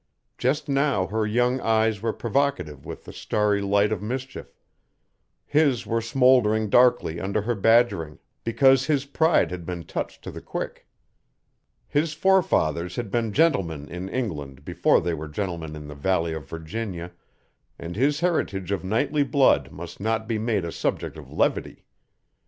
Just now her young eyes were provocative with the starry light of mischief. His were smoldering darkly under her badgering because his pride had been touched to the quick. His forefathers had been gentlemen in England before they were gentlemen in the Valley of Virginia and his heritage of knightly blood must not be made a subject of levity.